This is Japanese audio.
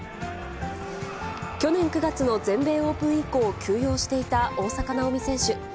去年９月の全米オープン以降、休養していた大坂なおみ選手。